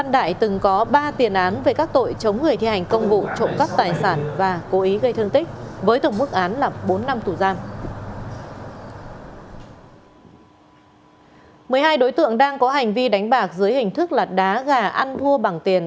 một mươi hai đối tượng đang có hành vi đánh bạc dưới hình thức là đá gà ăn thua bằng tiền